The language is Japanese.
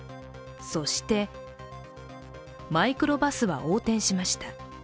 そして、マイクロバスは横転しました。